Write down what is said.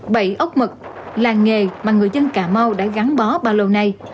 bậy ốc mực là nghề mà người dân cà mau đã gắn bó bao lâu nay